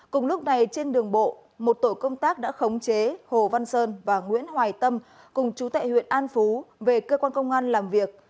cùng lúc này trên đường bộ một tổ công tác đã khống chế hồ văn sơn và nguyễn hoài tâm cùng chú tại huyện an phú về cơ quan công an làm việc